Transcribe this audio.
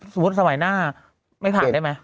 สมมุติสมัยหน้าไม่ผ่านได้ไหม